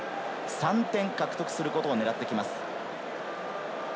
３点獲得することを狙ってきます。